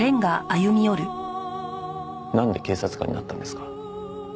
なんで警察官になったんですか？